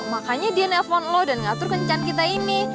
makanya dia nelfon lo dan ngatur kencan kita ini